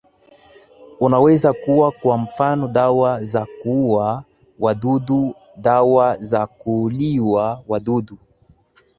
unaweza kuwa kwa mfano dawa za kuua wadudu dawa za kuulia wadudu